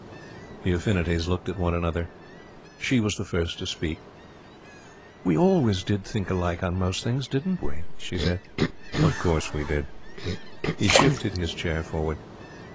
The affinities looked at one another. She was the first to speak. 'We always did think alike on most things, didn't we?' she said. 'Of course we did.' He shifted his chair forward.